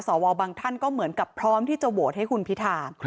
บางท่านก็เหมือนกับพร้อมที่จะโหวตให้คุณพิธา